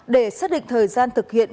để xác định thời gian thực hiện